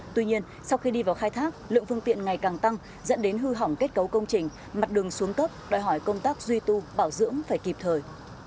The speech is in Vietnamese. tuy nhiên sau khi đi vào khai thác lượng phương tiện ngày càng tăng dẫn đến hư hỏng kết cấu công trình mặt đường xuống cấp đòi hỏi công tác duy tu bảo dưỡng phải kịp thời